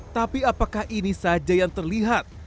tapi apakah ini saja yang terlihat